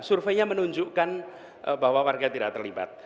surveinya menunjukkan bahwa warga tidak terlibat